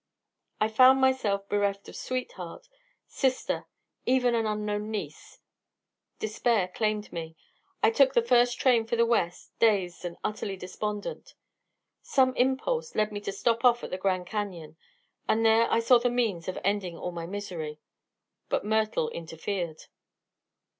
I found myself bereft of sweetheart, sister even an unknown niece. Despair claimed me. I took the first train for the West, dazed and utterly despondent. Some impulse led me to stop off at the Grand Canyon, and there I saw the means of ending all my misery. But Myrtle interfered."